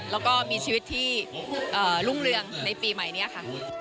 แล้วก็มีชีวิตที่รุ่งเรืองในปีใหม่นี้ค่ะ